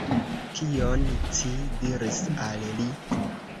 Kion ci diris al li?